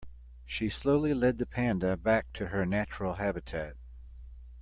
She slowly led the panda back to her natural habitat.